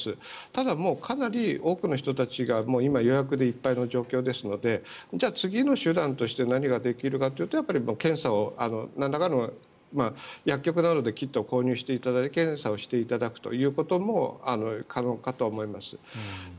ただ、かなり多くの人たちが今予約でいっぱいの状況ですのでじゃあ、次の手段として何ができるかというとやっぱり検査をなんらかの薬局などでキットを購入していただいて検査をしていただくということも可能かとは思います。